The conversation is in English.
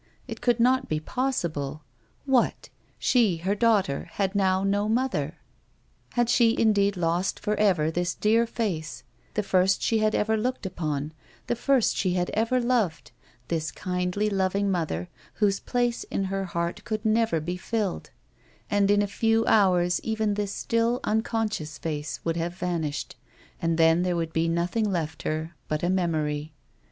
It could not be possible ! What ! She, her daughter, had now no mother ! Had she indeed lost for ever this dear face, the first she had ever looked upon, the first she had ever loved, this kindly loving mother, whose place in her heart could never be filled] And in a few hours even this still, unconscious face would have vanished, and then there would be nothing left her but a memory.